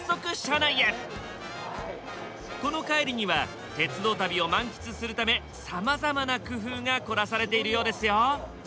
この海里には鉄道旅を満喫するためさまざまな工夫が凝らされているようですよ。